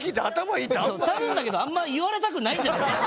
たぶんだけどあんま言われたくないんじゃないっすか。